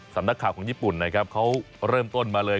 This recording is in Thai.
สำนักข่าวของญี่ปุ่นนะครับเขาเริ่มต้นมาเลย